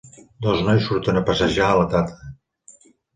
Dos nois surten a passejar a la tarda.